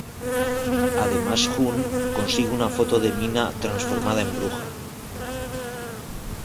Además Jun consigue una foto de Mina transformada en bruja.